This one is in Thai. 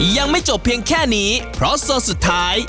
ยังไม่จบเพียงแค่นี้เพราะโซนสุดท้าย